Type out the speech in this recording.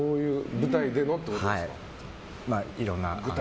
舞台でのってことですか。